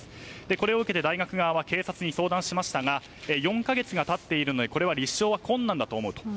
これを受けて、大学側が警察に相談しましたが４か月が経っているので立証は困難だと思うと。